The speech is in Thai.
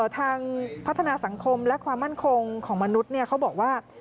ทางพัฒนาสังคมและความมั่นคงของมนุษย์เขาบอกว่า